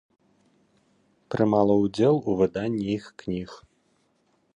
Прымала ўдзел у выданні іх кніг.